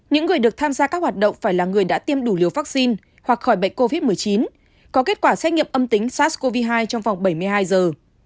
những người được tham gia các hoạt động phải là người đã tiêm đủ liều vaccine hoặc khỏi bệnh covid một mươi chín có kết quả xét nghiệm âm tính sars cov hai trong vòng bảy mươi hai giờ